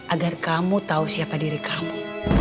agar kamu tahu siapa diri kamu